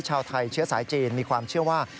ชาวไทยเชื้อสายจีนมีความเชื่อว่า